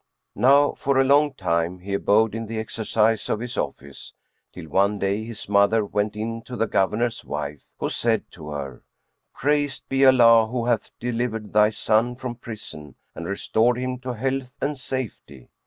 Now for a long time he abode in the exercise of his office, till one day his mother went in to the Governor's wife, who said to her, "Praised be Allah who hath delivered thy son from prison and restored him to health and safety!